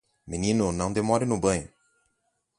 Menino não demore no banho!